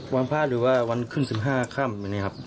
วันพระหรือว่าวันขึ้น๑๕ค่ำอย่างนี้ครับ